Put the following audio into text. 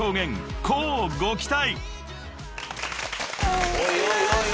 ［乞うご期待！］